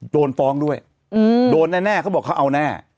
โดนฟ้องด้วยโดนแน่เขาบอกเขาเอาแน่